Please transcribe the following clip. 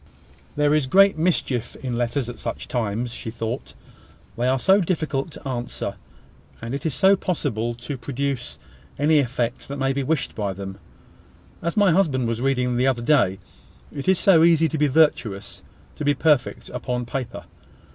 "There is great mischief in letters at such times," she thought. "They are so difficult to answer! and it is so possible to produce any effect that may be wished by them! As my husband was reading the other day `It is so easy to be virtuous, to be perfect, upon paper!'